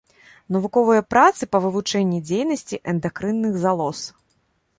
Навуковыя працы па вывучэнні дзейнасці эндакрынных залоз.